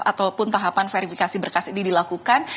ataupun tahapan verifikasi berkas ini dilakukan